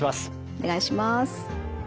お願いします。